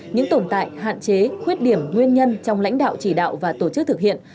những tồn tại hạn chế khuyết điểm nguyên nhân trong lãnh đạo chỉ đạo và tổ chức thực hiện